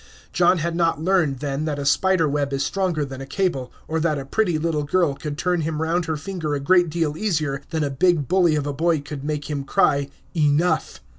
John had not learned then that a spider web is stronger than a cable; or that a pretty little girl could turn him round her finger a great deal easier than a big bully of a boy could make him cry "enough."